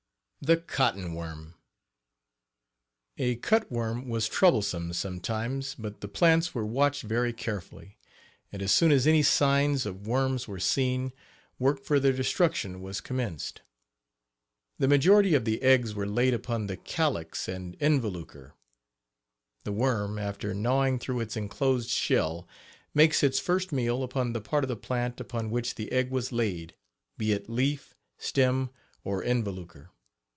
THE COTTON WORM. A cut worm was troublesome sometimes; but the plants were watched very carefully, and as soon as any signs of worms were seen work for their destruction was commenced. The majority of the eggs were laid upon the calyx and involucre. The worm, after gnawing through its enclosed shell, makes its first meal upon the part of the plant upon which the egg Page 29 was laid, be it leaf, stem or involucre.